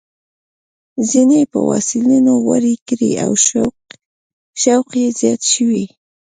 څڼې یې په واسلینو غوړې کړې او شوق یې زیات شوی.